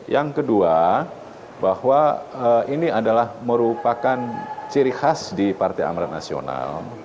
yang kedua bahwa ini adalah merupakan ciri khas di partai amran nasional